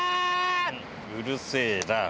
うるせえな。